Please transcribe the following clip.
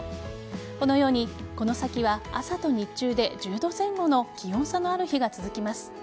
このように、この先は朝と日中で１０度前後の気温差のある日が続きます。